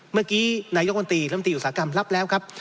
เมื่อกี้นายท์ยกมันตีธรรมตีอุตส่ากรรมรับแล้วครับ